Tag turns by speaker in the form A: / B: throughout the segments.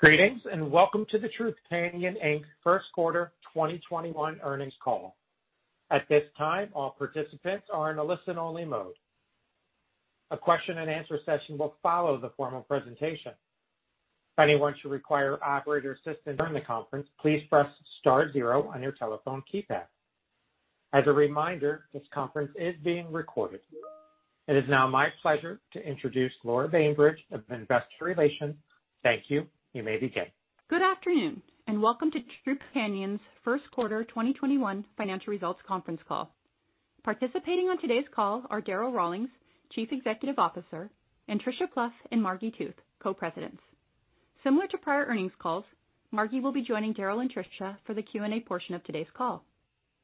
A: Greetings, and welcome to the Trupanion, Inc. first quarter 2021 earnings call. At this time, all participants are in a listen-only mode. A question and answer session will follow the formal presentation. If anyone should require operator assistance during the conference, please press star zero on your telephone keypad. As a reminder, this conference is being recorded. It is now my pleasure to introduce Laura Bainbridge of Investor Relations. Thank you. You may begin.
B: Good afternoon, welcome to Trupanion's First Quarter 2021 Financial Results Conference Call. Participating on today's call are Darryl Rawlings, Chief Executive Officer, and Tricia Plouf and Margi Tooth, Co-Presidents. Similar to prior earnings calls, Margi will be joining Darryl and Tricia for the Q&A portion of today's call.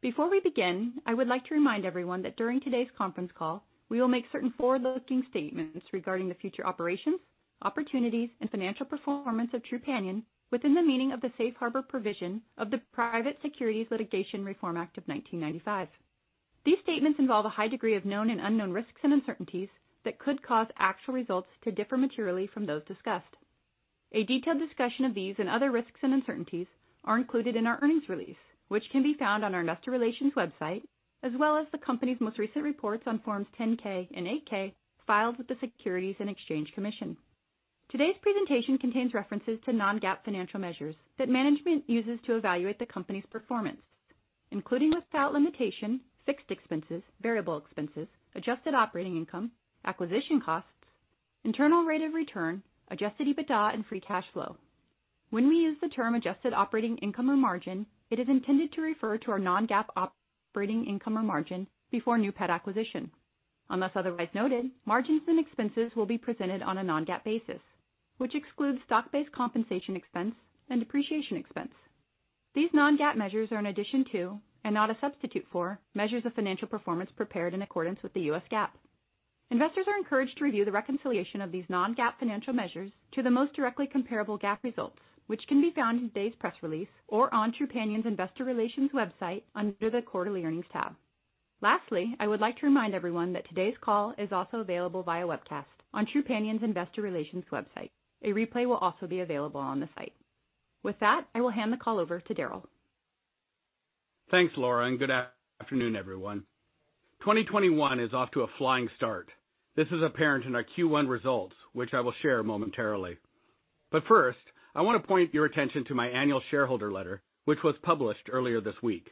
B: Before we begin, I would like to remind everyone that during today's conference call, we will make certain forward-looking statements regarding the future operations, opportunities, and financial performance of Trupanion within the meaning of the safe harbor provision of the Private Securities Litigation Reform Act of 1995. These statements involve a high degree of known and unknown risks and uncertainties that could cause actual results to differ materially from those discussed. A detailed discussion of these and other risks and uncertainties are included in our earnings release, which can be found on our Investor Relations website, as well as the company's most recent reports on forms 10-K and 8-K filed with the Securities and Exchange Commission. Today's presentation contains references to non-GAAP financial measures that management uses to evaluate the company's performance, including, without limitation, fixed expenses, variable expenses, adjusted operating income, acquisition costs, internal rate of return, adjusted EBITDA, and free cash flow. When we use the term adjusted operating income or margin, it is intended to refer to our non-GAAP operating income or margin before new pet acquisition. Unless otherwise noted, margins and expenses will be presented on a non-GAAP basis, which excludes stock based compensation expense and depreciation expense. These non-GAAP measures are an addition to, and not a substitute for, measures of financial performance prepared in accordance with the U.S. GAAP. Investors are encouraged to review the reconciliation of these non-GAAP financial measures to the most directly comparable GAAP results, which can be found in today's press release or on Trupanion's Investor Relations website under the Quarterly Earnings tab. Lastly, I would like to remind everyone that today's call is also available via webcast on Trupanion's Investor Relations website. A replay will also be available on the site. With that, I will hand the call over to Darryl.
C: Thanks, Laura, and good afternoon, everyone. 2021 is off to a flying start. This is apparent in our Q1 results, which I will share momentarily. First, I want to point your attention to my annual shareholder letter, which was published earlier this week.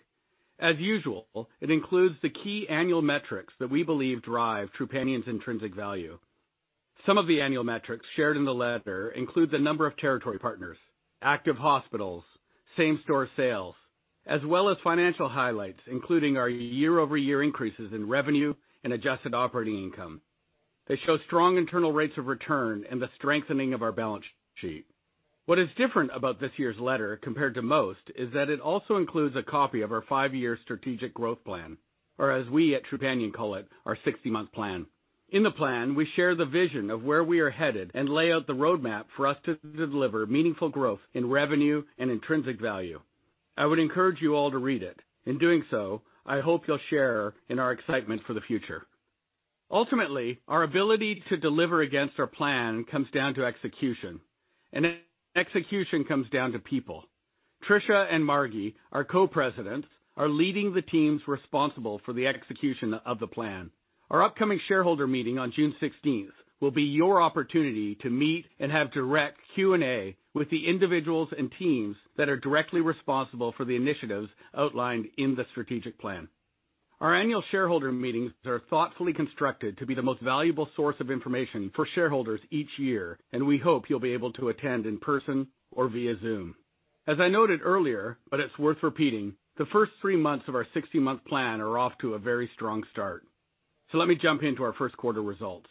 C: As usual, it includes the key annual metrics that we believe drive Trupanion's intrinsic value. Some of the annual metrics shared in the letter include the number of territory partners, active hospitals, same-store sales, as well as financial highlights, including our year-over-year increases in revenue and adjusted operating income. They show strong internal rates of return and the strengthening of our balance sheet. What is different about this year's letter compared to most is that it also includes a copy of our five year strategic growth plan, or as we at Trupanion call it, our 60 month plan. In the plan, we share the vision of where we are headed and lay out the roadmap for us to deliver meaningful growth in revenue and intrinsic value. I would encourage you all to read it. In doing so, I hope you'll share in our excitement for the future. Ultimately, our ability to deliver against our plan comes down to execution, and execution comes down to people. Tricia and Margi, our Co-Presidents, are leading the teams responsible for the execution of the plan. Our upcoming shareholder meeting on June 16th will be your opportunity to meet and have direct Q&A with the individuals and teams that are directly responsible for the initiatives outlined in the strategic plan. Our annual shareholder meetings are thoughtfully constructed to be the most valuable source of information for shareholders each year, and we hope you'll be able to attend in person or via Zoom. As I noted earlier, but it's worth repeating, the first three months of our 60 month plan are off to a very strong start. Let me jump into our first quarter results.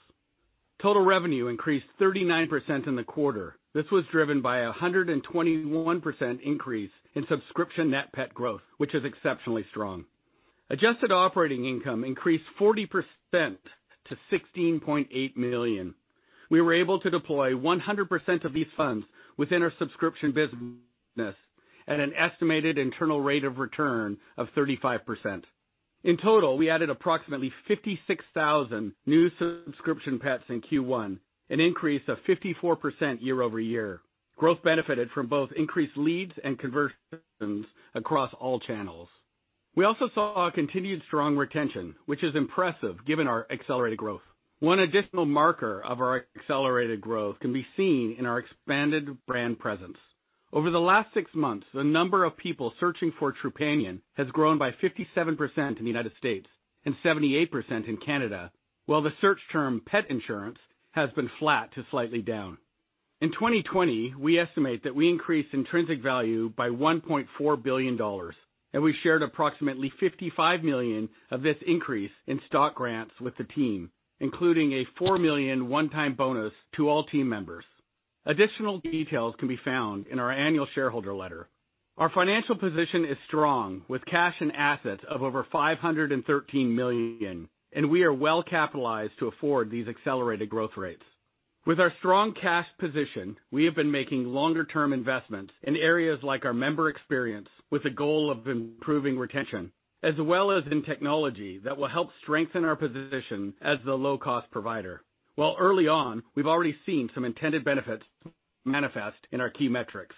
C: Total revenue increased 39% in the quarter. This was driven by 121% increase in subscription net pet growth, which is exceptionally strong. Adjusted operating income increased 40% to $16.8 million. We were able to deploy 100% of these funds within our subscription business at an estimated internal rate of return of 35%. In total, we added approximately 56,000 new subscription pets in Q1, an increase of 54% year-over-year. Growth benefited from both increased leads and conversions across all channels. We also saw a continued strong retention, which is impressive given our accelerated growth. One additional marker of our accelerated growth can be seen in our expanded brand presence. Over the last six months, the number of people searching for Trupanion has grown by 57% in the United States and 78% in Canada, while the search term pet insurance has been flat to slightly down. In 2020, we estimate that we increased intrinsic value by $1.4 billion, and we shared approximately $55 million of this increase in stock grants with the team, including a $4 million one-time bonus to all team members. Additional details can be found in our annual shareholder letter. Our financial position is strong with cash and assets of over $513 million, and we are well capitalized to afford these accelerated growth rates. With our strong cash position, we have been making longer-term investments in areas like our member experience with the goal of improving retention, as well as in technology that will help strengthen our position as the low-cost provider. While early on, we've already seen some intended benefits manifest in our key metrics.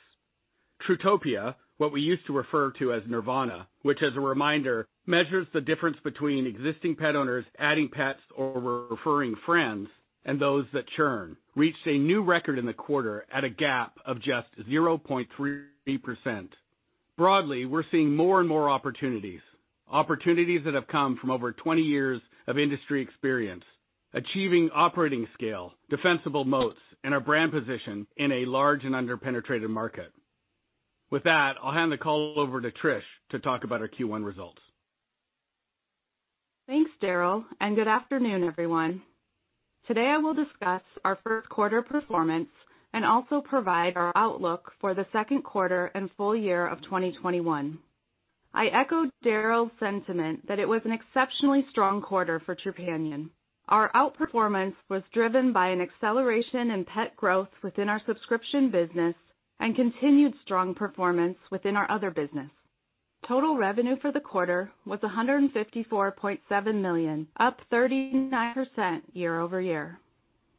C: Trutopia, what we used to refer to as Nirvana, which as a reminder, measures the difference between existing pet owners adding pets or referring friends, and those that churn, reached a new record in the quarter at a gap of just 0.3%. Broadly, we're seeing more and more opportunities that have come from over 20 years of industry experience, achieving operating scale, defensible moats, and our brand position in a large and under-penetrated market. With that, I'll hand the call over to Trish to talk about our Q1 results.
D: Thanks, Darryl. Good afternoon, everyone. Today I will discuss our first quarter performance and also provide our outlook for the second quarter and full year of 2021. I echo Darryl's sentiment that it was an exceptionally strong quarter for Trupanion. Our outperformance was driven by an acceleration in pet growth within our subscription business and continued strong performance within our other business. Total revenue for the quarter was $154.7 million, up 39% year-over-year.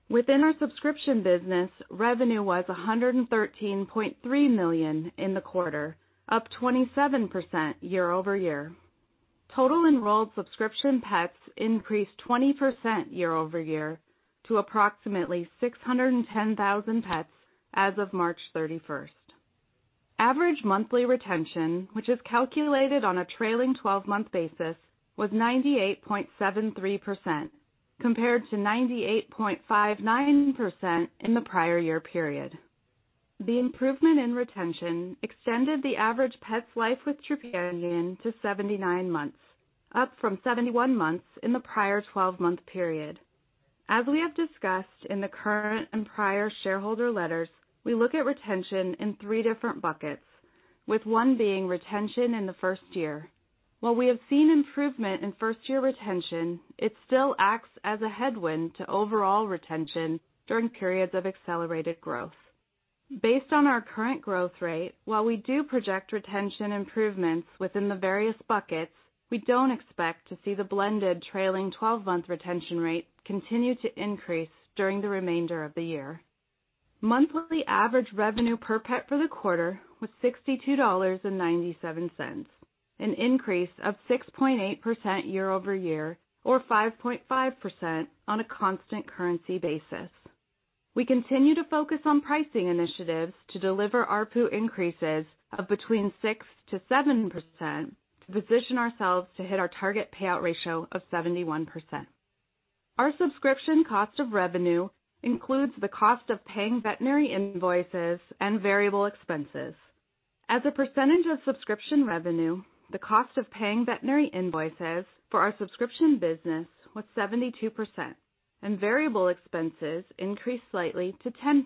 D: Within our subscription business, revenue was $113.3 million in the quarter, up 27% year-over-year. Total enrolled subscription pets increased 20% year-over-year to approximately 610,000 pets as of March 31st. Average monthly retention, which is calculated on a trailing 12 month basis, was 98.73%, compared to 98.59% in the prior year period. The improvement in retention extended the average pet's life with Trupanion to 79 months, up from 71 months in the prior 12 month period. As we have discussed in the current and prior shareholder letters, we look at retention in three different buckets, with one being retention in the first year. While we have seen improvement in first-year retention, it still acts as a headwind to overall retention during periods of accelerated growth. Based on our current growth rate, while we do project retention improvements within the various buckets, we don't expect to see the blended trailing 12 month retention rate continue to increase during the remainder of the year. Monthly average revenue per pet for the quarter was $62.97, an increase of 6.8% year-over-year, or 5.5% on a constant currency basis. We continue to focus on pricing initiatives to deliver ARPU increases of between 6%-7% to position ourselves to hit our target payout ratio of 71%. Our subscription cost of revenue includes the cost of paying veterinary invoices and variable expenses. As a percentage of subscription revenue, the cost of paying veterinary invoices for our subscription business was 72%, and variable expenses increased slightly to 10%,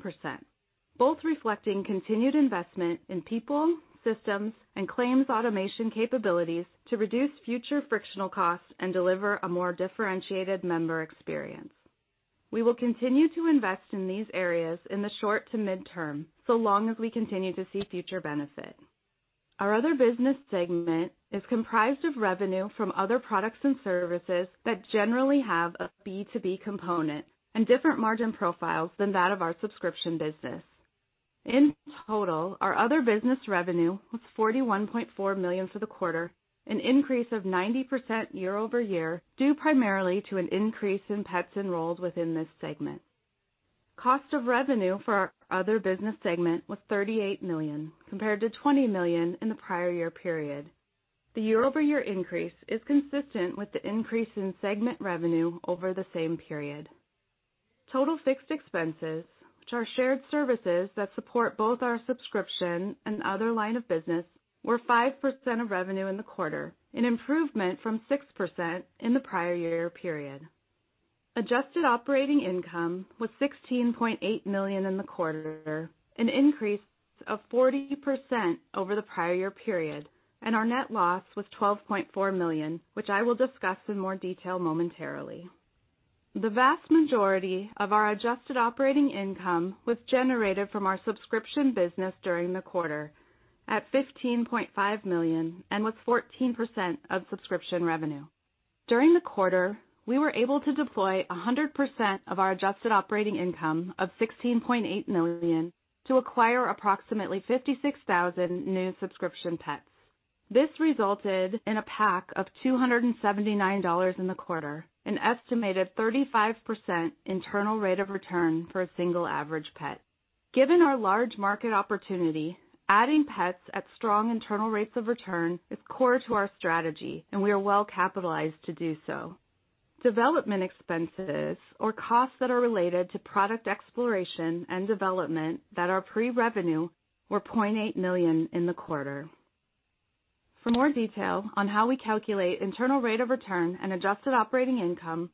D: both reflecting continued investment in people, systems, and claims automation capabilities to reduce future frictional costs and deliver a more differentiated member experience. We will continue to invest in these areas in the short to midterm, so long as we continue to see future benefit. Our other business segment is comprised of revenue from other products and services that generally have a B2B component and different margin profiles than that of our subscription business. In total, our other business revenue was $41.4 million for the quarter, an increase of 90% year-over-year, due primarily to an increase in pets enrolled within this segment. Cost of revenue for our other business segment was $38 million, compared to $20 million in the prior year period. The year-over-year increase is consistent with the increase in segment revenue over the same period. Total fixed expenses, which are shared services that support both our subscription and other line of business, were 5% of revenue in the quarter, an improvement from 6% in the prior year period. Adjusted operating income was $16.8 million in the quarter, an increase of 40% over the prior year period, and our net loss was $12.4 million, which I will discuss in more detail momentarily. The vast majority of our adjusted operating income was generated from our subscription business during the quarter at $15.5 million and was 14% of subscription revenue. During the quarter, we were able to deploy 100% of our adjusted operating income of $16.8 million to acquire approximately 56,000 new subscription pets. This resulted in a PAC of $279 in the quarter, an estimated 35% internal rate of return for a single average pet. Given our large market opportunity, adding pets at strong internal rates of return is core to our strategy, and we are well capitalized to do so. Development expenses, or costs that are related to product exploration and development that are pre-revenue, were $0.8 million in the quarter. For more detail on how we calculate internal rate of return and adjusted operating income,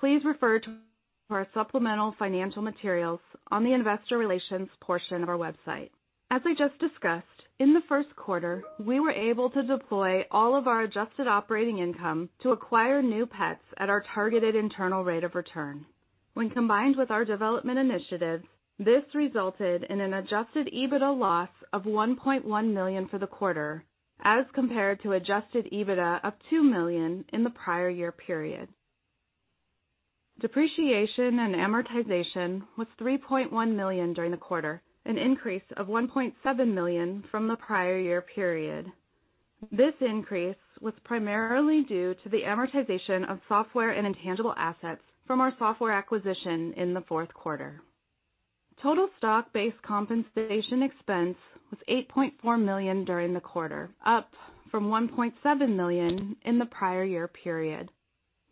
D: please refer to our supplemental financial materials on the investor relations portion of our website. As we just discussed, in the first quarter, we were able to deploy all of our adjusted operating income to acquire new pets at our targeted internal rate of return. When combined with our development initiatives, this resulted in an adjusted EBITDA loss of $1.1 million for the quarter as compared to adjusted EBITDA of $2 million in the prior year period. Depreciation and amortization was $3.1 million during the quarter, an increase of $1.7 million from the prior year period. This increase was primarily due to the amortization of software and intangible assets from our software acquisition in the fourth quarter. Total stock-based compensation expense was $8.4 million during the quarter, up from $1.7 million in the prior year period.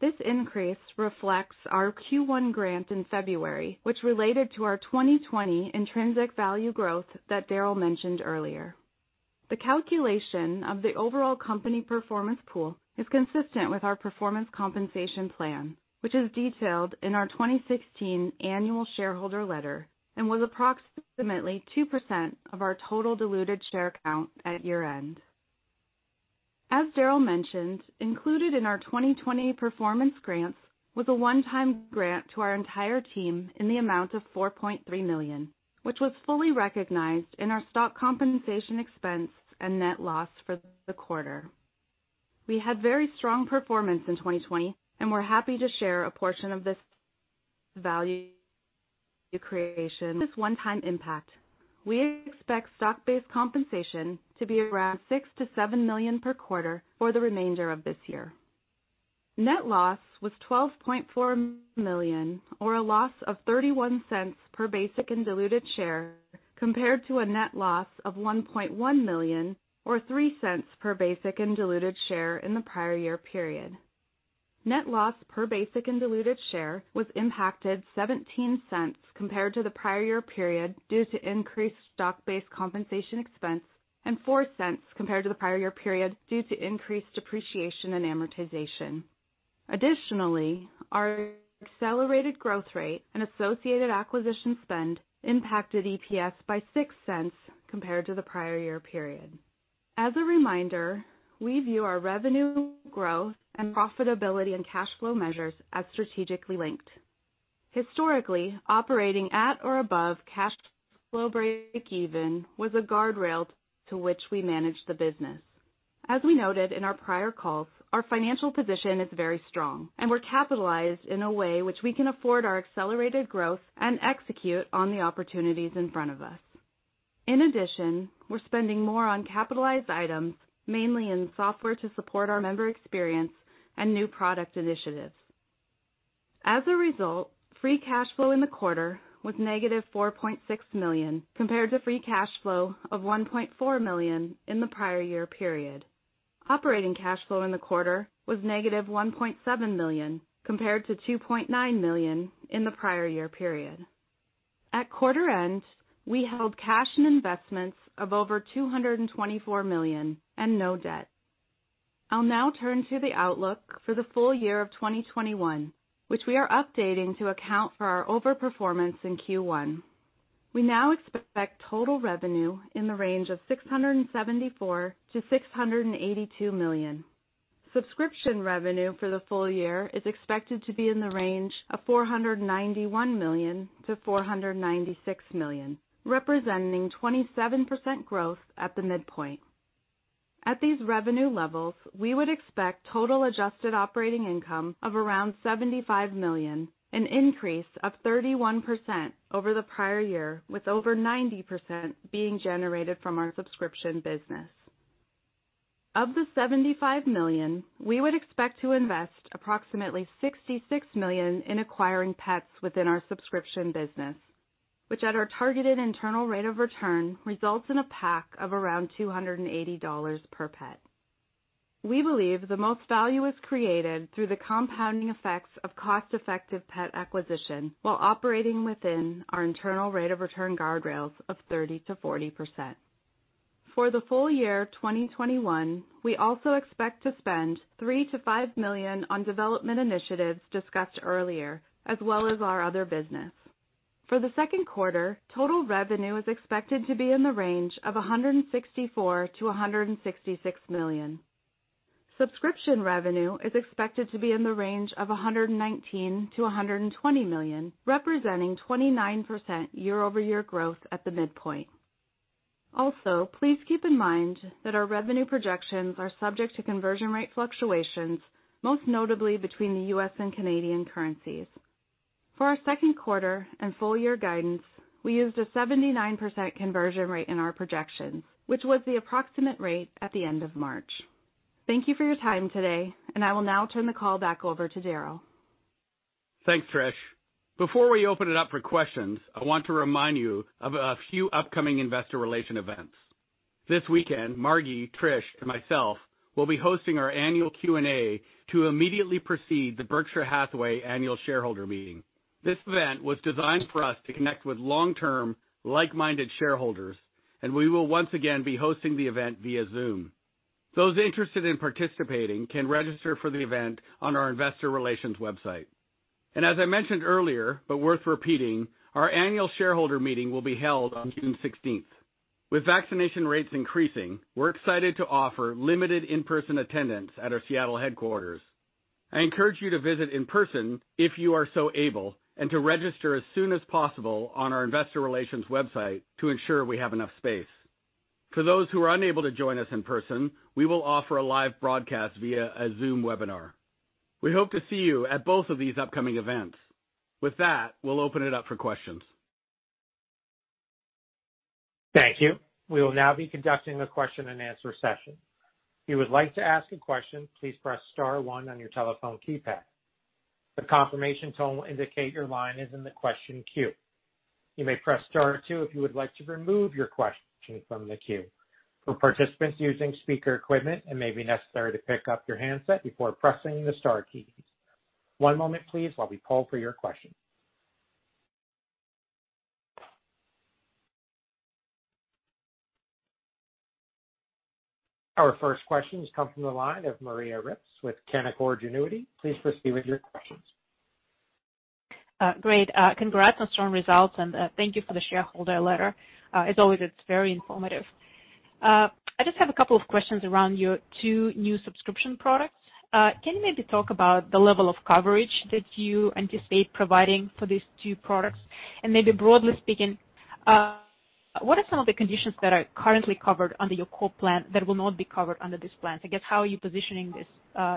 D: This increase reflects our Q1 grant in February, which related to our 2020 intrinsic value growth that Darryl mentioned earlier. The calculation of the overall company performance pool is consistent with our performance compensation plan, which is detailed in our 2016 annual shareholder letter and was approximately 2% of our total diluted share count at year-end. As Darryl mentioned, included in our 2020 performance grants was a one-time grant to our entire team in the amount of $4.3 million, which was fully recognized in our stock compensation expense and net loss for the quarter. We had very strong performance in 2020, and we're happy to share a portion of this value creation, this one-time impact. We expect stock-based compensation to be around $6 million-$7 million per quarter for the remainder of this year. Net loss was $12.4 million, or a loss of $0.31 per basic and diluted share, compared to a net loss of $1.1 million or $0.03 per basic and diluted share in the prior year period. Net loss per basic and diluted share was impacted $0.17 compared to the prior year period, due to increased stock-based compensation expense, and $0.04 compared to the prior year period, due to increased depreciation and amortization. Additionally, our accelerated growth rate and associated acquisition spend impacted EPS by $0.06 compared to the prior year period. As a reminder, we view our revenue growth and profitability and cash flow measures as strategically linked. Historically, operating at or above cash flow breakeven was a guardrail to which we managed the business. As we noted in our prior calls, our financial position is very strong, and we're capitalized in a way which we can afford our accelerated growth and execute on the opportunities in front of us. In addition, we're spending more on capitalized items, mainly in software to support our member experience and new product initiatives. As a result, free cash flow in the quarter was -$4.6 million, compared to free cash flow of $1.4 million in the prior year period. Operating cash flow in the quarter was -$1.7 million, compared to $2.9 million in the prior year period. At quarter end, we held cash and investments of over $224 million and no debt. I'll now turn to the outlook for the full year of 2021, which we are updating to account for our overperformance in Q1. We now expect total revenue in the range of $674 million-$682 million. Subscription revenue for the full year is expected to be in the range of $491 million-$496 million, representing 27% growth at the midpoint. At these revenue levels, we would expect total adjusted operating income of around $75 million, an increase of 31% over the prior year, with over 90% being generated from our subscription business. Of the $75 million, we would expect to invest approximately $66 million in acquiring pets within our subscription business, which at our targeted internal rate of return, results in a PAC of around $280 per pet. We believe the most value is created through the compounding effects of cost-effective pet acquisition while operating within our internal rate of return guardrails of 30%-40%. For the full year 2021, we also expect to spend $3 million-$5 million on development initiatives discussed earlier, as well as our other business. For the second quarter, total revenue is expected to be in the range of $164 million-$166 million. Subscription revenue is expected to be in the range of $119 million-$120 million, representing 29% year-over-year growth at the midpoint. Please keep in mind that our revenue projections are subject to conversion rate fluctuations, most notably between the U.S. and Canadian currencies. For our second quarter and full year guidance, we used a 79% conversion rate in our projections, which was the approximate rate at the end of March. Thank you for your time today, and I will now turn the call back over to Darryl.
C: Thanks, Trish. Before we open it up for questions, I want to remind you of a few upcoming investor relation events. This weekend, Margi, Trish, and myself will be hosting our annual Q&A to immediately precede the Berkshire Hathaway Annual Shareholder Meeting. This event was designed for us to connect with long-term, like-minded shareholders, and we will once again be hosting the event via Zoom. Those interested in participating can register for the event on our investor relations website. As I mentioned earlier, but worth repeating, our annual shareholder meeting will be held on June 16th. With vaccination rates increasing, we're excited to offer limited in-person attendance at our Seattle headquarters. I encourage you to visit in person if you are so able, and to register as soon as possible on our investor relations website to ensure we have enough space. For those who are unable to join us in person, we will offer a live broadcast via a Zoom webinar. We hope to see you at both of these upcoming events. With that, we'll open it up for questions.
A: Our first question comes from the line of Maria Ripps with Canaccord Genuity. Please proceed with your questions.
E: Great. Congrats on strong results, and thank you for the shareholder letter. As always, it's very informative. I just have a couple of questions around your two new subscription products. Can you maybe talk about the level of coverage that you anticipate providing for these two products? Maybe broadly speaking, what are some of the conditions that are currently covered under your core plan that will not be covered under this plan? I guess, how are you positioning these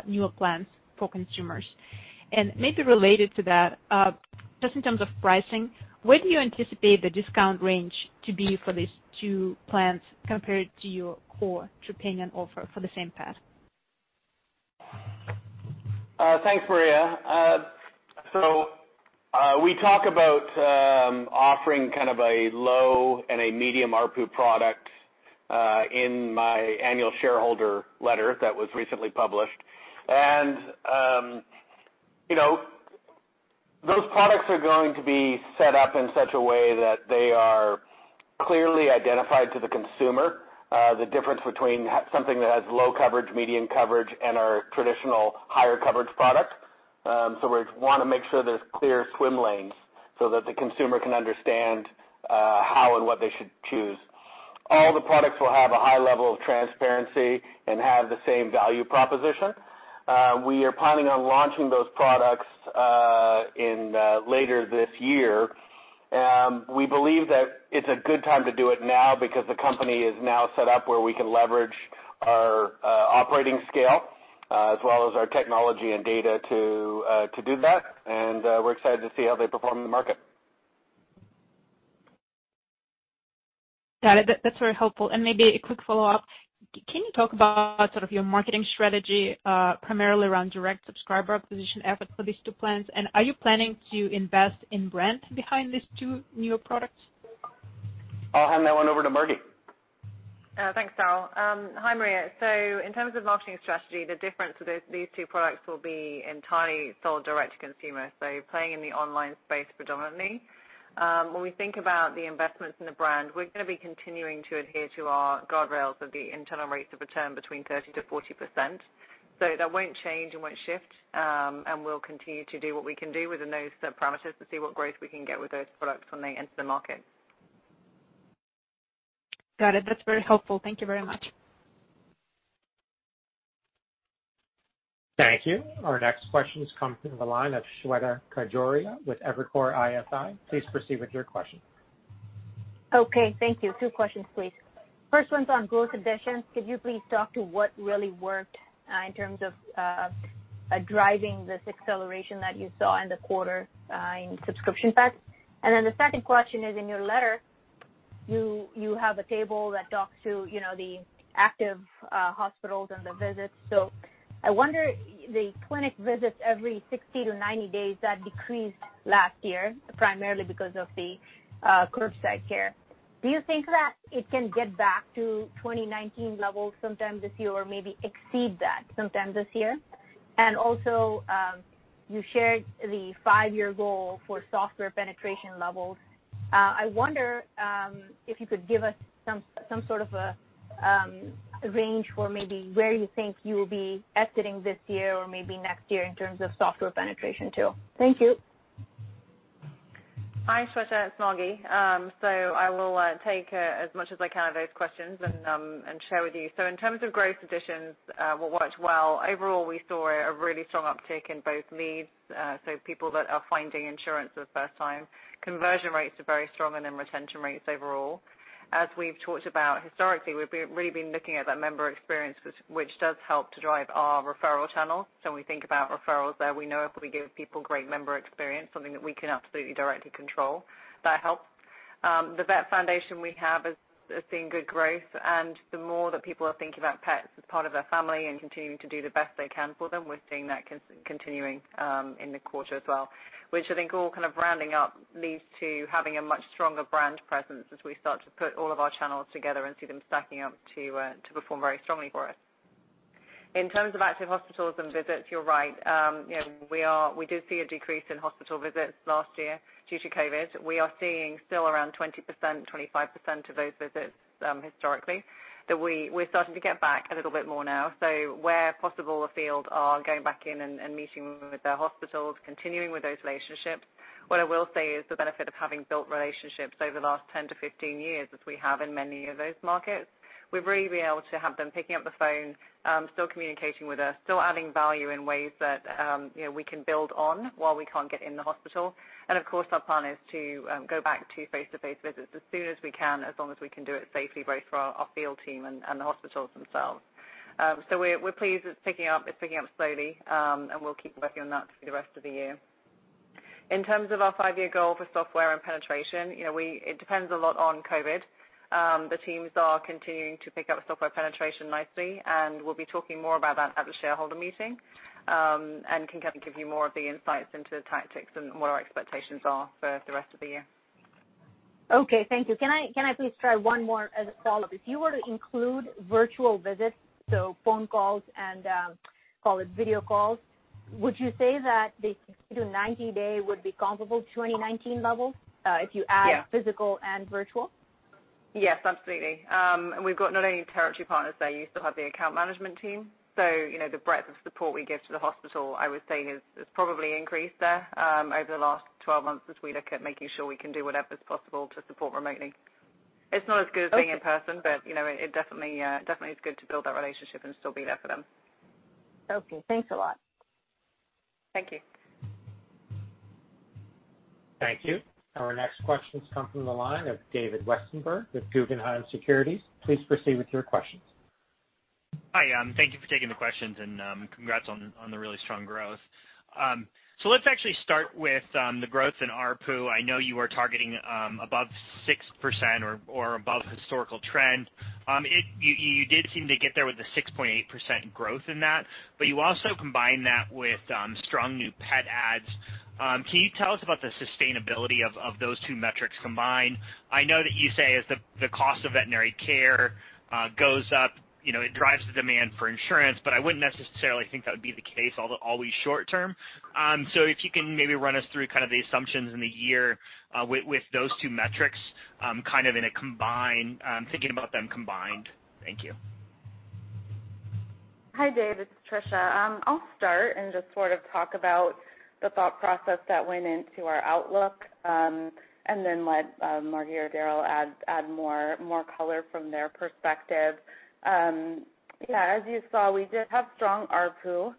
E: newer plans for consumers? Maybe related to that, just in terms of pricing, where do you anticipate the discount range to be for these two plans compared to your core Trupanion offer for the same pet?
C: Thanks, Maria. We talk about offering kind of a low and a medium ARPU product in my annual shareholder letter that was recently published. Those products are going to be set up in such a way that they are clearly identified to the consumer, the difference between something that has low coverage, medium coverage, and our traditional higher coverage product. We want to make sure there's clear swim lanes so that the consumer can understand how and what they should choose. All the products will have a high level of transparency and have the same value proposition. We are planning on launching those products later this year. We believe that it's a good time to do it now because the company is now set up where we can leverage our operating scale as well as our technology and data to do that. We're excited to see how they perform in the market.
E: Got it. That's very helpful. Maybe a quick follow-up. Can you talk about sort of your marketing strategy, primarily around direct subscriber acquisition efforts for these two plans? Are you planning to invest in brand behind these two newer products?
C: I'll hand that one over to Margi.
F: Thanks, Darryl. Hi, Maria. In terms of marketing strategy, the difference with these two products will be entirely sold direct to consumer, so playing in the online space predominantly. When we think about the investments in the brand, we're going to be continuing to adhere to our guardrails of the internal rates of return between 30%-40%. That won't change and won't shift. We'll continue to do what we can do within those parameters to see what growth we can get with those products when they enter the market.
E: Got it. That's very helpful. Thank you very much.
A: Thank you. Our next question comes from the line of Shweta Khajuria with Evercore ISI. Please proceed with your question.
G: Okay, thank you. Two questions, please. First one's on growth additions. Could you please talk to what really worked in terms of driving this acceleration that you saw in the quarter in subscription pets? The second question is, in your letter, you have a table that talks to the active hospitals and the visits. I wonder, the clinic visits every 60-90 days, that decreased last year, primarily because of the curbside care. Do you think that it can get back to 2019 levels sometime this year, or maybe exceed that sometime this year? You shared the five year goal for software penetration levels. I wonder if you could give us some sort of a range for maybe where you think you will be exiting this year or maybe next year in terms of software penetration too. Thank you.
F: Hi, Shweta, it's Margi. I will take as much as I can of those questions and share with you. In terms of growth additions, what went well, overall, we saw a really strong uptick in both leads, so people that are finding insurance for the first time. Conversion rates are very strong, and in retention rates overall. As we've talked about historically, we've really been looking at that member experience, which does help to drive our referral channel. When we think about referrals there, we know if we give people great member experience, something that we can absolutely directly control, that helps. The vet foundation we have is seeing good growth. The more that people are thinking about pets as part of their family and continuing to do the best they can for them, we're seeing that continuing in the quarter as well, which I think all kind of rounding up leads to having a much stronger brand presence as we start to put all of our channels together and see them stacking up to perform very strongly for us. In terms of active hospitals and visits, you're right. We did see a decrease in hospital visits last year due to COVID. We are seeing still around 20%, 25% of those visits historically, that we're starting to get back a little bit more now. Where possible, the field are going back in and meeting with their hospitals, continuing with those relationships. What I will say is the benefit of having built relationships over the last 10-15 years as we have in many of those markets, we've really been able to have them picking up the phone, still communicating with us, still adding value in ways that we can build on while we can't get in the hospital. Of course, our plan is to go back to face-to-face visits as soon as we can, as long as we can do it safely, both for our field team and the hospitals themselves. We're pleased it's picking up. It's picking up slowly, and we'll keep working on that through the rest of the year. In terms of our five year goal for software and penetration, it depends a lot on COVID. The teams are continuing to pick up software penetration nicely, and we'll be talking more about that at the shareholder meeting, and can kind of give you more of the insights into the tactics and what our expectations are for the rest of the year.
G: Okay. Thank you. Can I please try one more follow-up? If you were to include virtual visits, so phone calls and, call it video calls, would you say that the 60-90-day would be comparable to 2019 levels.
F: Yeah.
G: Physical and virtual?
F: Yes, absolutely. We've got not only territory partners there, you still have the account management team. The breadth of support we give to the hospital, I would say, has probably increased there over the last 12 months as we look at making sure we can do whatever's possible to support remotely. It's not as good as being in person, but it definitely is good to build that relationship and still be there for them.
G: Okay. Thanks a lot.
F: Thank you.
A: Thank you. Our next questions come from the line of David Westenberg with Guggenheim Securities. Please proceed with your questions.
H: Hi. Thank you for taking the questions, and congrats on the really strong growth. Let's actually start with the growth in ARPU. I know you are targeting above 6% or above historical trend. You did seem to get there with the 6.8% growth in that, but you also combined that with strong new pet adds. Can you tell us about the sustainability of those two metrics combined? I know that you say as the cost of veterinary care goes up, it drives the demand for insurance, but I wouldn't necessarily think that would be the case always short-term. If you can maybe run us through kind of the assumptions in the year, with those two metrics, kind of thinking about them combined. Thank you.
D: Hi, Dave. It's Tricia. I'll start and just sort of talk about the thought process that went into our outlook, and then let Margi or Darryl add more color from their perspective. Yeah, as you saw, we did have strong ARPU.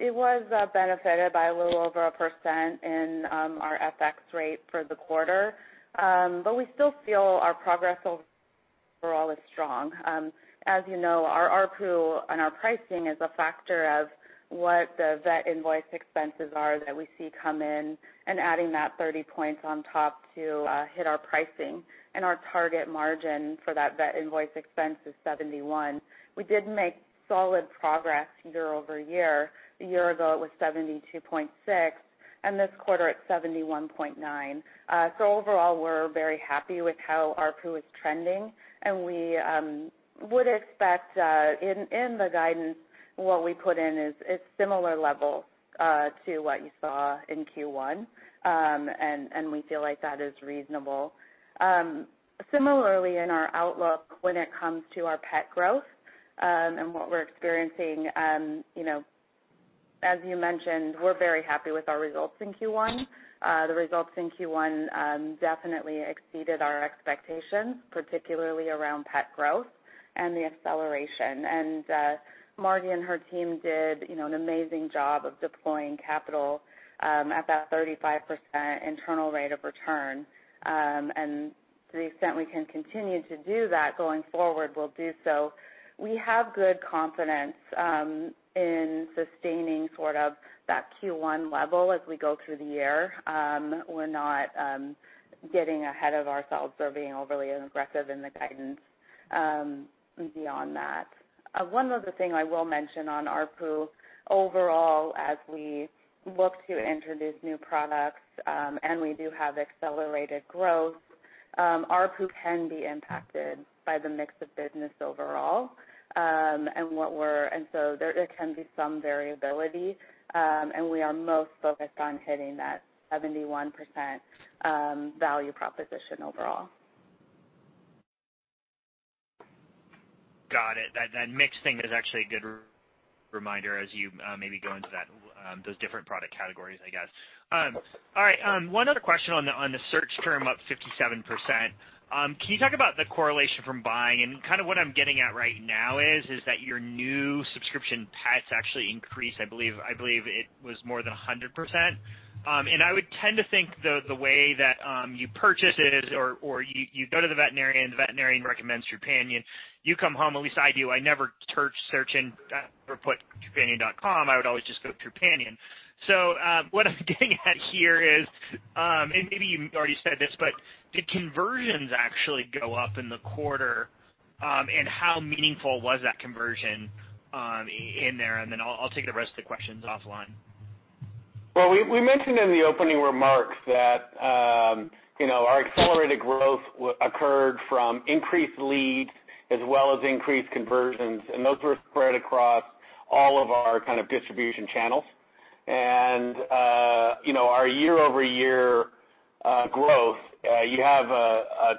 D: It was benefited by a little over a 1% in our FX rate for the quarter. We still feel our progress overall is strong. As you know, our ARPU and our pricing is a factor of what the vet invoice expenses are that we see come in and adding that 30 points on top to hit our pricing and our target margin for that vet invoice expense is 71. We did make solid progress year-over-year. A year ago, it was 72.6, and this quarter it's 71.9. Overall, we're very happy with how ARPU is trending, and we would expect, in the guidance, what we put in is similar level to what you saw in Q1. We feel like that is reasonable. Similarly, in our outlook when it comes to our pet growth, and what we're experiencing, as you mentioned, we're very happy with our results in Q1. The results in Q1 definitely exceeded our expectations, particularly around pet growth and the acceleration. Margi and her team did an amazing job of deploying capital at that 35% internal rate of return. To the extent we can continue to do that going forward, we'll do so. We have good confidence in sustaining sort of that Q1 level as we go through the year. We're not getting ahead of ourselves or being overly aggressive in the guidance beyond that. One other thing I will mention on ARPU, overall, as we look to introduce new products, and we do have accelerated growth, ARPU can be impacted by the mix of business overall. There can be some variability. We are most focused on hitting that 71% value proposition overall.
H: Got it. That mix thing is actually a good reminder as you maybe go into those different product categories, I guess. All right. One other question on the search term up 57%. Can you talk about the correlation from buying? Kind of what I'm getting at right now is that your new subscription pets actually increased, I believe, it was more than 100%. I would tend to think the way that you purchase it or you go to the veterinarian, the veterinarian recommends Trupanion. You come home, at least I do, I never search in or put trupanion.com. I would always just go Trupanion. What I'm getting at here is, and maybe you already said this, but did conversions actually go up in the quarter? How meaningful was that conversion in there? I'll take the rest of the questions offline.
C: Well, we mentioned in the opening remarks that our accelerated growth occurred from increased leads as well as increased conversions, and those were spread across all of our distribution channels. Our year-over-year growth, you have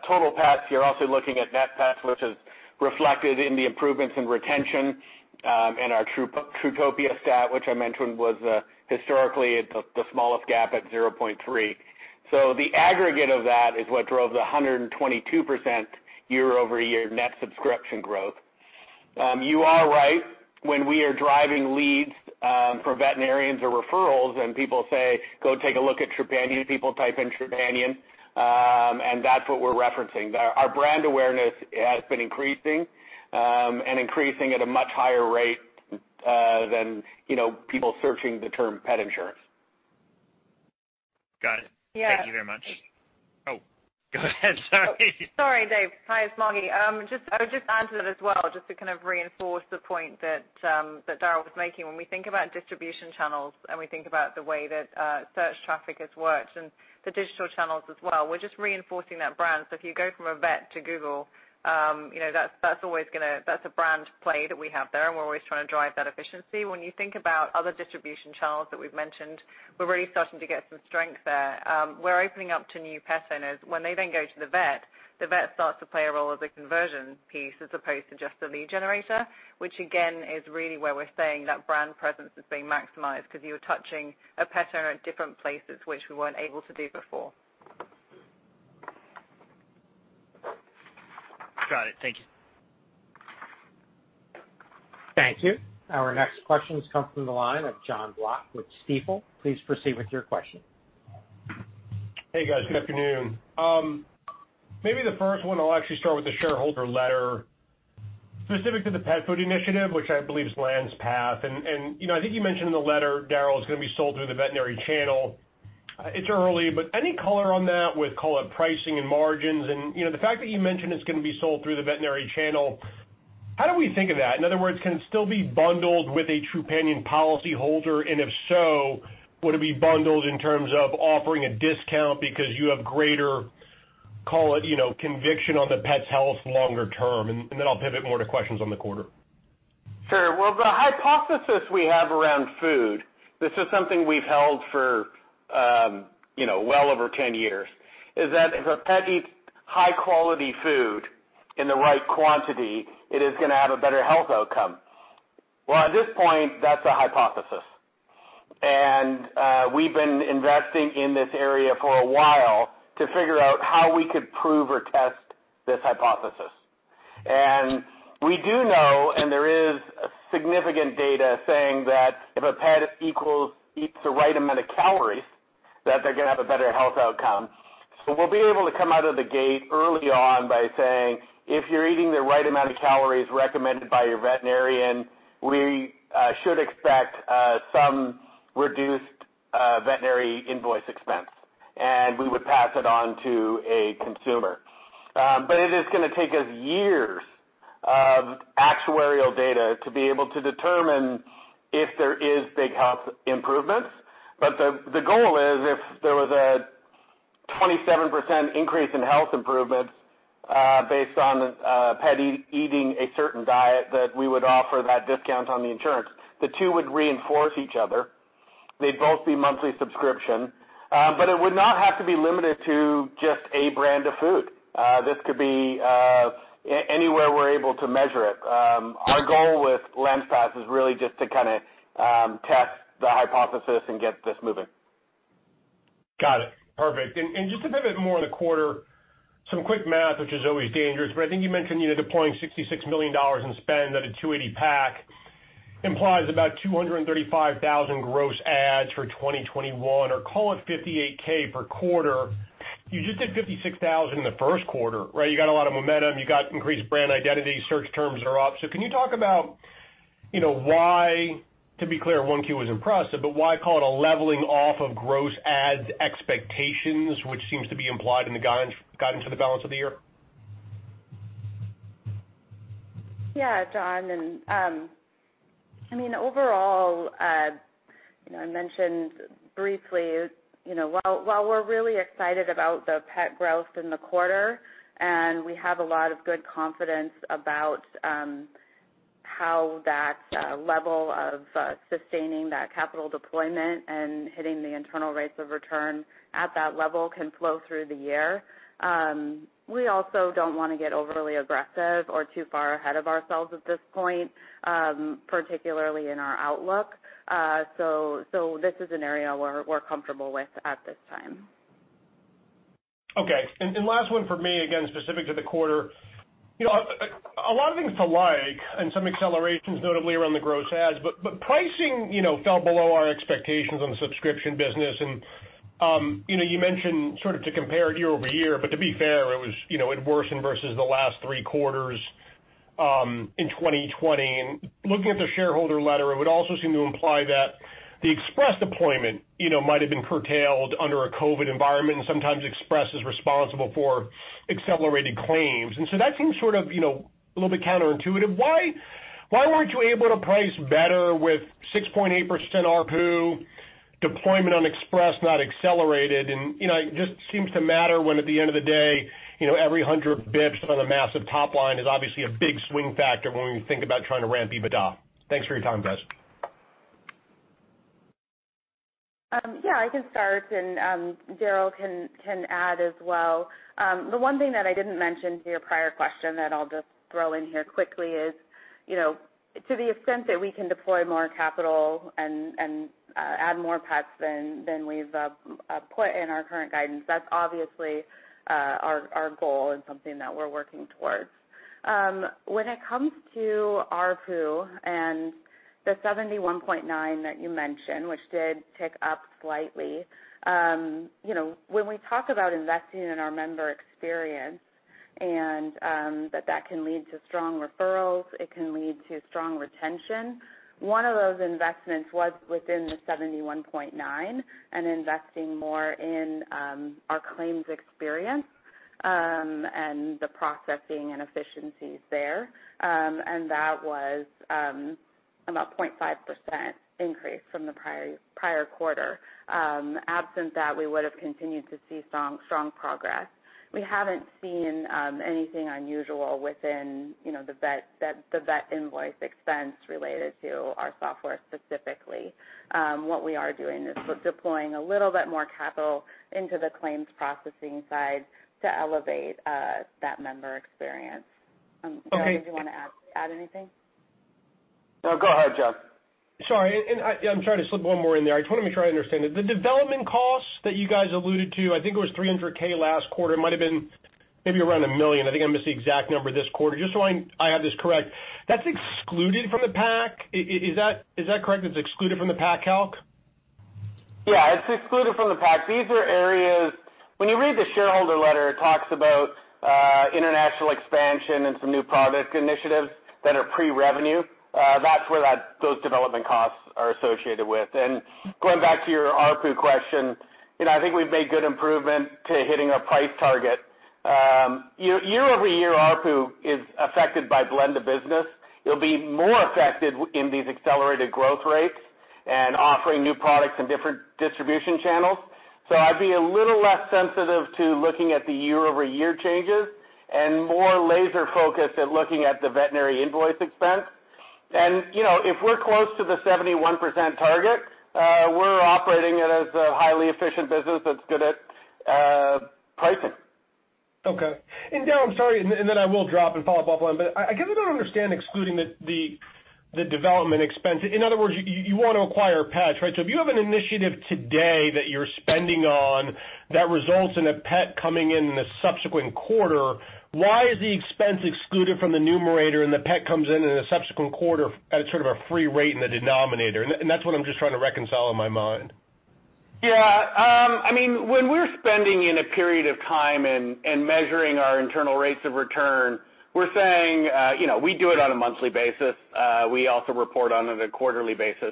C: total pets. You're also looking at net pets, which is reflected in the improvements in retention, and our Trutopia stat, which I mentioned was historically the smallest gap at 0.3. The aggregate of that is what drove the 122% year-over-year net subscription growth. You are right. For veterinarians or referrals, and people say, "Go take a look at Trupanion," people type in Trupanion, and that's what we're referencing there. Our brand awareness has been increasing, and increasing at a much higher rate than people searching the term pet insurance.
H: Got it.
F: Yeah.
C: Thank you very much. Oh, go ahead. Sorry.
F: Sorry, Dave. Hi, it's Margi. I would just add to that as well, just to kind of reinforce the point that Darryl was making. When we think about distribution channels and we think about the way that search traffic has worked and the digital channels as well, we're just reinforcing that brand. If you go from a vet to Google, that's a brand play that we have there, and we're always trying to drive that efficiency. When you think about other distribution channels that we've mentioned, we're really starting to get some strength there. We're opening up to new pet centers. When they then go to the vet, the vet starts to play a role as a conversion piece as opposed to just a lead generator, which again, is really where we're saying that brand presence is being maximized because you are touching a pet owner at different places, which we weren't able to do before.
H: Got it. Thank you.
A: Thank you. Our next questions come from the line of John Block with Stifel. Please proceed with your question.
I: Hey, guys. Good afternoon. Maybe the first one, I'll actually start with the shareholder letter specific to the pet food initiative, which I believe is Landspath. I think you mentioned in the letter, Darryl, it's going to be sold through the veterinary channel. It's early, any color on that with pricing and margins? The fact that you mentioned it's going to be sold through the veterinary channel, how do we think of that? In other words, can it still be bundled with a Trupanion policy holder? If so, would it be bundled in terms of offering a discount because you have greater conviction on the pet's health longer term? I'll pivot more to questions on the quarter.
C: Sure. Well, the hypothesis we have around food, this is something we've held for well over 10 years, is that if a pet eats high-quality food in the right quantity, it is going to have a better health outcome. Well, at this point, that's a hypothesis. We've been investing in this area for a while to figure out how we could prove or test this hypothesis. We do know, and there is significant data saying that if a pet eats the right amount of calories, that they're going to have a better health outcome. We'll be able to come out of the gate early on by saying, "If you're eating the right amount of calories recommended by your veterinarian, we should expect some reduced veterinary invoice expense." We would pass it on to a consumer. It is going to take us years of actuarial data to be able to determine if there is big health improvements. The goal is if there was a 27% increase in health improvements based on a pet eating a certain diet, that we would offer that discount on the insurance. The two would reinforce each other. They'd both be monthly subscription. It would not have to be limited to just a brand of food. This could be anywhere we're able to measure it. Our goal with Landspath is really just to kind of test the hypothesis and get this moving.
I: Got it. Perfect. Just to pivot more on the quarter, some quick math, which is always dangerous, but I think you mentioned deploying $66 million in spend at a 280 PAC implies about 235,000 gross adds for 2021, or call it 58K per quarter. You just did 56,000 in the first quarter, right? You got a lot of momentum. You got increased brand identity. Search terms are up. Can you talk about why, to be clear, 1Q was impressive, but why call it a leveling off of gross adds expectations, which seems to be implied in the guidance for the balance of the year?
D: Yeah, John. Overall, I mentioned briefly, while we're really excited about the pet growth in the quarter, and we have a lot of good confidence about how that level of sustaining that capital deployment and hitting the internal rates of return at that level can flow through the year. We also don't want to get overly aggressive or too far ahead of ourselves at this point, particularly in our outlook. This is an area we're comfortable with at this time.
I: Okay. Last one from me, again, specific to the quarter. A lot of things to like and some accelerations notably around the gross adds, pricing fell below our expectations on the subscription business. You mentioned to compare it year-over-year, to be fair, it worsened versus the last three quarters in 2020. Looking at the shareholder letter, it would also seem to imply that the express deployment might have been curtailed under a COVID environment, sometimes express is responsible for accelerated claims. That seems a little bit counterintuitive. Why weren't you able to price better with 6.8% ARPU deployment on express not accelerated, it just seems to matter when at the end of the day every 100 basis points on the massive top line is obviously a big swing factor when we think about trying to ramp EBITDA. Thanks for your time, guys.
D: Yeah, I can start, and Darryl can add as well. The one thing that I didn't mention to your prior question that I'll just throw in here quickly is, to the extent that we can deploy more capital and add more pets than we've put in our current guidance. That's obviously our goal and something that we're working towards. When it comes to ARPU and the $71.9 that you mentioned, which did tick up slightly. When we talk about investing in our member experience and that can lead to strong referrals, it can lead to strong retention. One of those investments was within the $71.9 and investing more in our claims experience, and the processing and efficiencies there. That was about 0.5% increase from the prior quarter. Absent that, we would've continued to see strong progress. We haven't seen anything unusual within the vet invoice expense related to our software specifically. What we are doing is deploying a little bit more capital into the claims processing side to elevate that member experience.
I: Okay.
D: Darryl, do you want to add anything?
C: No, go ahead, John.
I: Sorry, I'm trying to slip one more in there. I just want to make sure I understand it. The development costs that you guys alluded to, I think it was $300,000 last quarter, it might've been maybe around $1 million. I think I missed the exact number this quarter. Just so I have this correct, that's excluded from the PAC? Is that correct, that it's excluded from the PAC calc?
C: It's excluded from the PAC. These are areas when you read the shareholder letter, it talks about international expansion and some new product initiatives that are pre-revenue. That's where those development costs are associated with. Going back to your ARPU question, I think we've made good improvement to hitting our price target. Year-over-year ARPU is affected by blend of business. It'll be more affected in these accelerated growth rates and offering new products in different distribution channels. I'd be a little less sensitive to looking at the year-over-year changes and more laser focused at looking at the veterinary invoice expense. If we're close to the 71% target, we're operating it as a highly efficient business that's good at pricing.
I: Okay. Darryl, I'm sorry, I will drop and follow up. I guess I don't understand excluding the development expense. In other words, you want to acquire pets, right? If you have an initiative today that you're spending on that results in a pet coming in in a subsequent quarter, why is the expense excluded from the numerator and the pet comes in in a subsequent quarter at a sort of a free rate in the denominator? That's what I'm just trying to reconcile in my mind.
C: When we're spending in a period of time and measuring our internal rates of return, we're saying, we do it on a monthly basis. We also report on it a quarterly basis.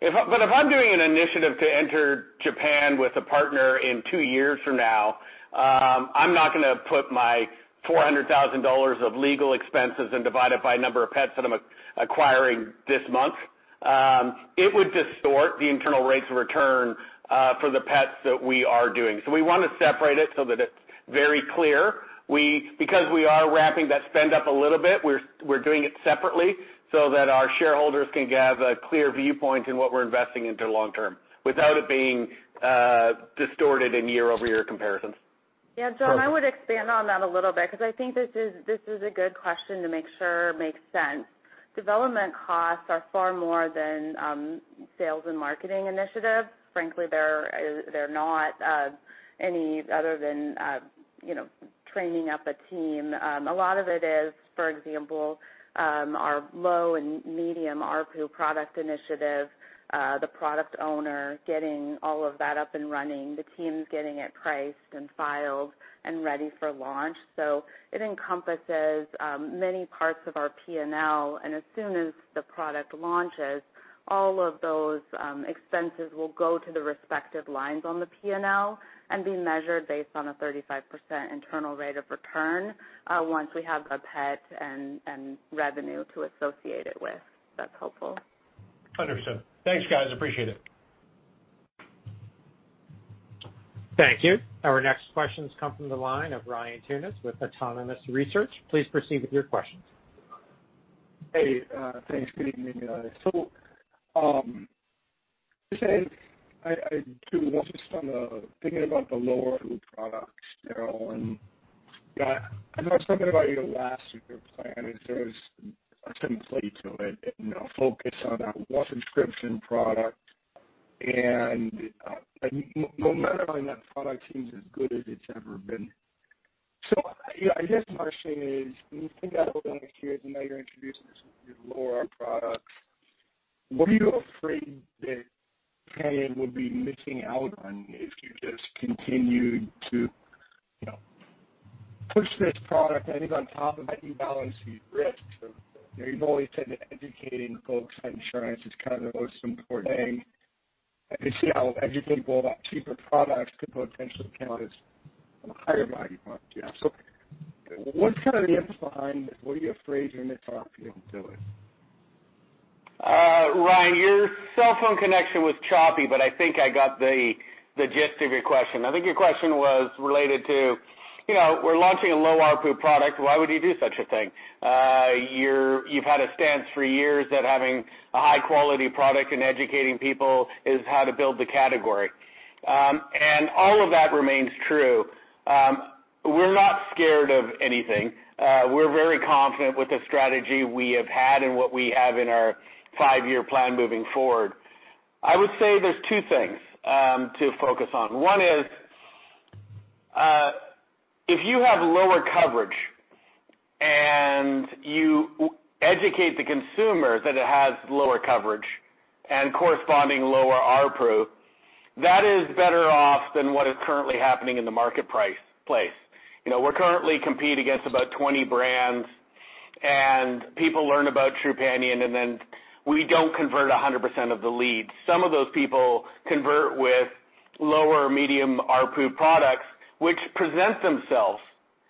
C: If I'm doing an initiative to enter Japan with a partner in two years from now, I'm not going to put my $400,000 of legal expenses and divide it by number of pets that I'm acquiring this month. It would distort the internal rates of return, for the pets that we are doing. We want to separate it so that it's very clear. We are ramping that spend up a little bit, we're doing it separately so that our shareholders can have a clear viewpoint in what we're investing into long-term, without it being distorted in year-over-year comparisons.
I: Perfect.
D: Yeah, John, I would expand on that a little bit because I think this is a good question to make sure makes sense. Development costs are far more than sales and marketing initiatives. Frankly, they're not any other than training up a team. A lot of it is, for example, our low and medium ARPU product initiative, the product owner getting all of that up and running, the teams getting it priced and filed and ready for launch. It encompasses many parts of our P&L, and as soon as the product launches, all of those expenses will go to the respective lines on the P&L and be measured based on a 35% internal rate of return, once we have a pet and revenue to associate it with. If that's helpful.
I: Understood. Thanks, guys, appreciate it.
A: Thank you. Our next questions come from the line of Ryan Tunis with Autonomous Research. Please proceed with your questions.
J: Hey, thanks. Good evening, guys. Just saying, I do want to just on the thinking about the lower ARPU products, Darryl, and that I thought something about your last group plan is there's a template to it and a focus on that one subscription product. No matter what, that product seems as good as it's ever been. I guess my question is, when you think out over the next years and now you're introducing these lower ARPU products, what are you afraid that Trupanion would be missing out on if you just continued to push this product? I think on top of any balance sheet risks of, you've always said that educating folks on insurance is kind of the most important thing. I can see how educating people about cheaper products could potentially count as a higher value product. What's kind of the emphasis behind this? What are you afraid you're going to miss out if you don't do it?
C: Ryan, your cell phone connection was choppy, but I think I got the gist of your question. I think your question was related to, we're launching a low ARPU product. Why would you do such a thing? You've had a stance for years that having a high-quality product and educating people is how to build the category. All of that remains true. We're not scared of anything. We're very confident with the strategy we have had and what we have in our five year plan moving forward. I would say there's two things to focus on. One is, if you have lower coverage and you educate the consumer that it has lower coverage and corresponding lower ARPU, that is better off than what is currently happening in the marketplace. We currently compete against about 20 brands, and people learn about Trupanion, and then we don't convert 100% of the leads. Some of those people convert with lower medium ARPU products, which present themselves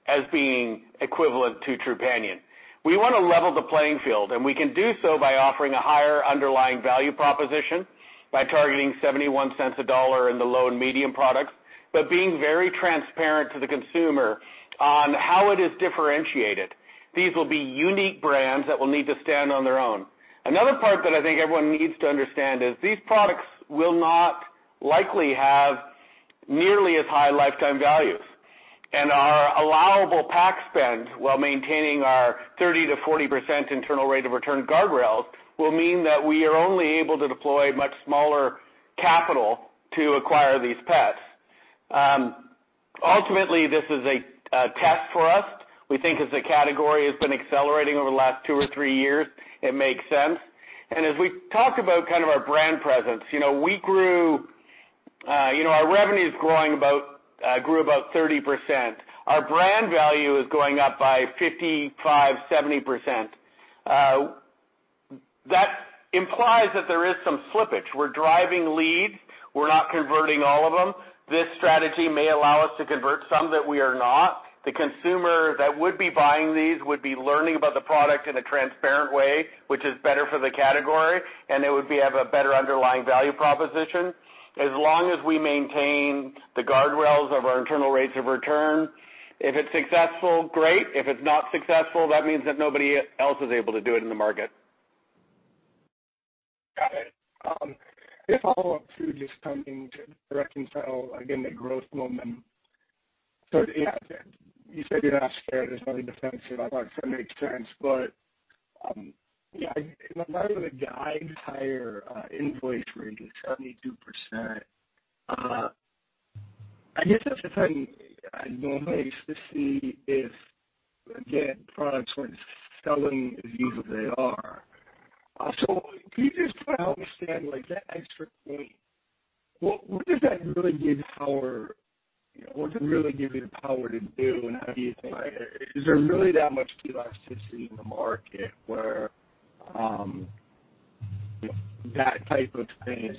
C: as being equivalent to Trupanion. We want to level the playing field, and we can do so by offering a higher underlying value proposition, by targeting $0.71 a dollar in the low and medium products, but being very transparent to the consumer on how it is differentiated. These will be unique brands that will need to stand on their own. Another part that I think everyone needs to understand is these products will not likely have nearly as high lifetime values. Our allowable PAC spend, while maintaining our 30%-40% internal rate of return guardrails, will mean that we are only able to deploy much smaller capital to acquire these pets. Ultimately, this is a test for us. We think as the category has been accelerating over the last two or three years, it makes sense. As we talk about our brand presence, our revenue grew about 30%. Our brand value is going up by 55%-70%. That implies that there is some slippage. We're driving leads. We're not converting all of them. This strategy may allow us to convert some that we are not. The consumer that would be buying these would be learning about the product in a transparent way, which is better for the category, and it would have a better underlying value proposition as long as we maintain the guardrails of our internal rates of return. If it's successful, great. If it's not successful, that means that nobody else is able to do it in the market.
J: Got it. Just following up to just trying to reconcile, again, the growth momentum. Yeah, you said you're not scared. There's nothing to fence here. I thought that makes sense. Yeah, in light of the guides higher invoice rate is 72%. I guess that's the time I normally used to see if, again, products weren't selling as easily as they are. Can you just help me understand that extra point? What does that really give you the power to do, and how do you think? Is there really that much elasticity in the market where that type of thing is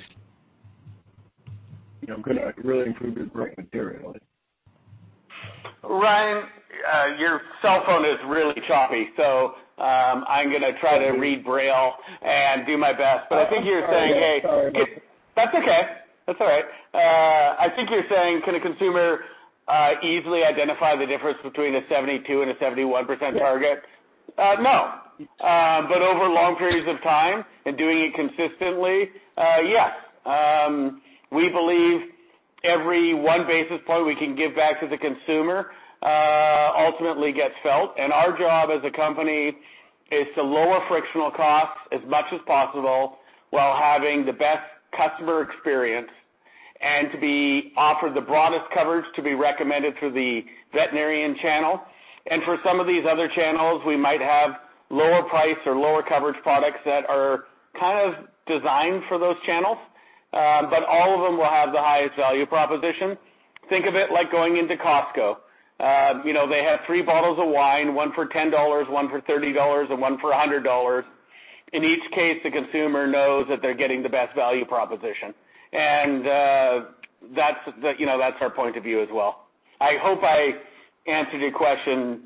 J: going to really improve your growth materially?
C: Ryan, your cellphone is really choppy, so I'm going to try to read braille and do my best. I think you're saying.
J: Okay. Sorry.
C: That's okay. That's all right. I think you're saying, can a consumer easily identify the difference between a 72% and a 71% target? No. Over long periods of time and doing it consistently, yes. We believe every one basis point we can give back to the consumer ultimately gets felt, and our job as a company is to lower frictional costs as much as possible while having the best customer experience and to be offered the broadest coverage to be recommended through the veterinarian channel. For some of these other channels, we might have lower price or lower coverage products that are kind of designed for those channels. All of them will have the highest value proposition. Think of it like going into Costco. They have three bottles of wine, one for $10, one for $30, and one for $100. In each case, the consumer knows that they're getting the best value proposition. That's our point of view as well. I hope I answered your question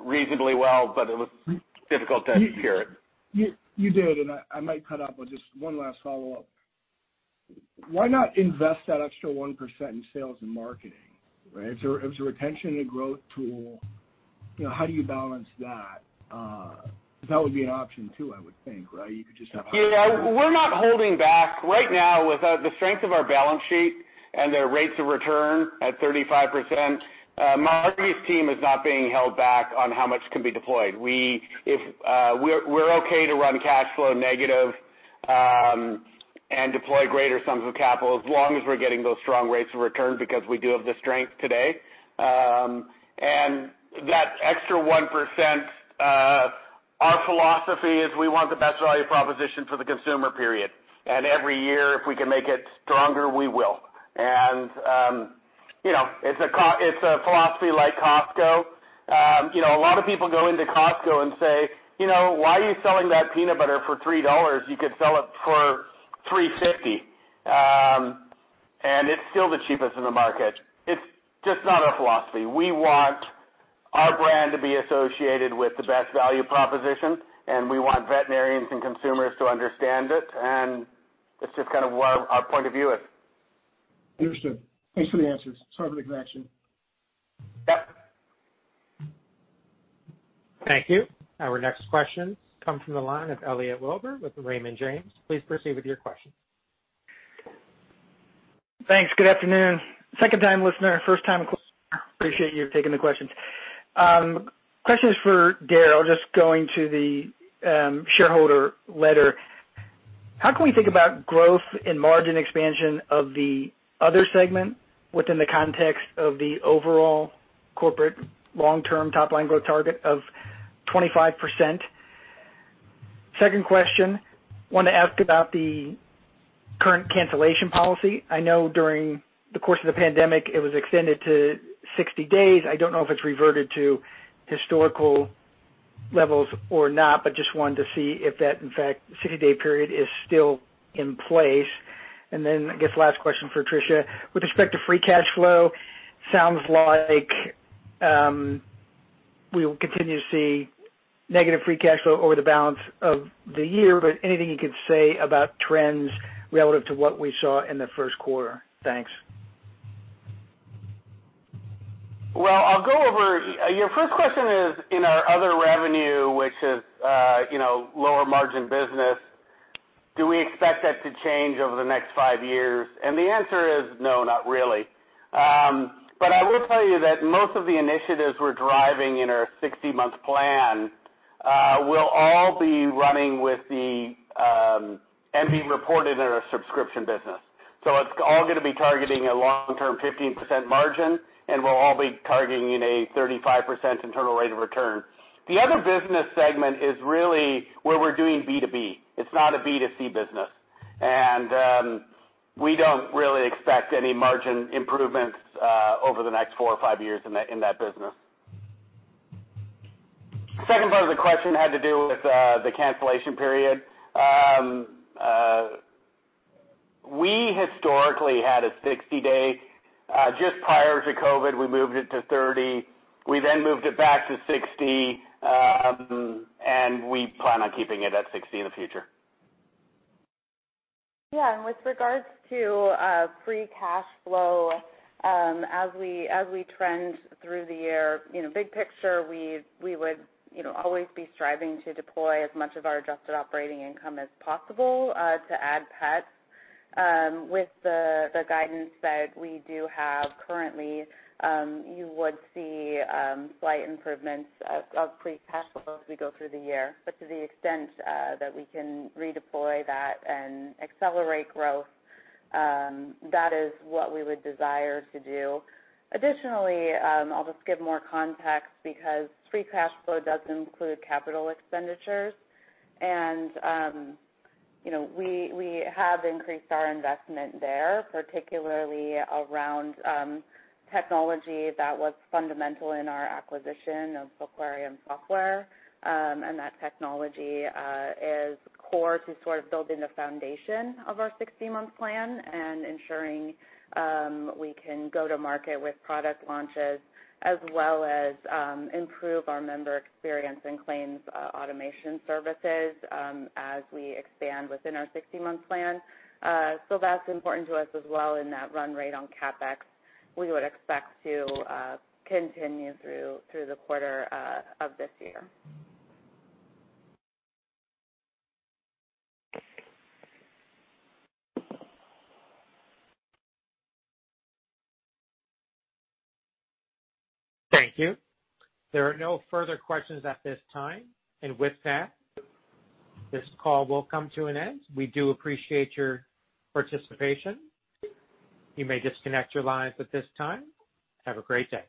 C: reasonably well, but it was difficult to hear it.
J: You did, and I might cut out, but just one last follow-up. Why not invest that extra 1% in sales and marketing? As a retention and growth tool, how do you balance that? That would be an option, too, I would think.
C: Yeah, we're not holding back. Right now, with the strength of our balance sheet and the rates of return at 35%, Margi's team is not being held back on how much can be deployed. We're okay to run cash flow negative and deploy greater sums of capital, as long as we're getting those strong rates of return because we do have the strength today. That extra 1%, our philosophy is we want the best value proposition for the consumer, period. Every year, if we can make it stronger, we will. It's a philosophy like Costco. A lot of people go into Costco and say, "Why are you selling that peanut butter for $3? You could sell it for $3.50." It's still the cheapest in the market. It's just not our philosophy. We want our brand to be associated with the best value proposition, and we want veterinarians and consumers to understand it, and it's just kind of what our point of view is.
J: Understood. Thanks for the answers. Sorry for the connection.
C: Yep.
A: Thank you. Our next question comes from the line of Elliot Wilbur with Raymond James. Please proceed with your question.
K: Thanks. Good afternoon. Second-time listener, first time caller. Appreciate you taking the questions. Question is for Darryl, just going to the shareholder letter. How can we think about growth and margin expansion of the other segment within the context of the overall corporate long-term top-line growth target of 25%? Second question, want to ask about the current cancellation policy. I know during the course of the pandemic, it was extended to 60 days. I don't know if it's reverted to historical levels or not, but just wanted to see if that, in fact, 60-day period is still in place. I guess last question for Tricia. With respect to free cash flow, sounds like we will continue to see negative free cash flow over the balance of the year, but anything you could say about trends relative to what we saw in the first quarter? Thanks.
C: Well, I'll go over your first question is in our other revenue, which is lower margin business, do we expect that to change over the next five years? The answer is no, not really. I will tell you that most of the initiatives we're driving in our 60 month plan will all be running and be reported in our subscription business. It's all going to be targeting a long-term 15% margin, and we'll all be targeting a 35% internal rate of return. The other business segment is really where we're doing B2B. It's not a B2C business. We don't really expect any margin improvements over the next four or five years in that business. Second part of the question had to do with the cancellation period. We historically had a 60-day. Just prior to COVID, we moved it to 30. We moved it back to 60, and we plan on keeping it at 60 in the future.
D: With regards to free cash flow, as we trend through the year, big picture, we would always be striving to deploy as much of our adjusted operating income as possible to add pets. With the guidance that we do have currently, you would see slight improvements of free cash flow as we go through the year. To the extent that we can redeploy that and accelerate growth, that is what we would desire to do. Additionally, I'll just give more context because free cash flow does include capital expenditures. We have increased our investment there, particularly around technology that was fundamental in our acquisition of Aquarium software. That technology is core to sort of building the foundation of our 60 month plan and ensuring we can go to market with product launches as well as improve our member experience and claims automation services as we expand within our 60 month plan. That's important to us as well in that run rate on CapEx, we would expect to continue through the quarter of this year.
A: Thank you. There are no further questions at this time. With that, this call will come to an end. We do appreciate your participation. You may disconnect your lines at this time. Have a great day.